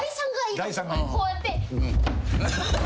こうやって。